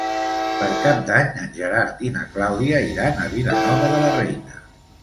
Per Cap d'Any en Gerard i na Clàudia iran a Vilanova de la Reina.